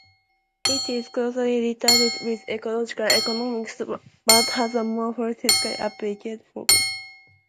It is closely related with ecological economics, but has a more politically applied focus.